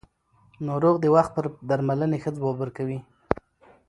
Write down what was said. ناروغ د وخت پر درملنې ښه ځواب ورکوي